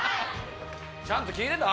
「ちゃんと聞いてた？」